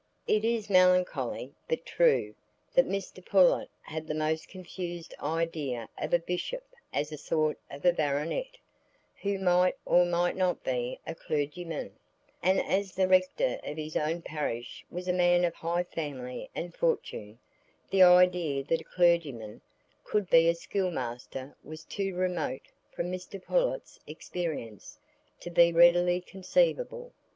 It is melancholy, but true, that Mr Pullet had the most confused idea of a bishop as a sort of a baronet, who might or might not be a clergyman; and as the rector of his own parish was a man of high family and fortune, the idea that a clergyman could be a schoolmaster was too remote from Mr Pullet's experience to be readily conceivable.